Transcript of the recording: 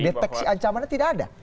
deteksi ancaman itu tidak ada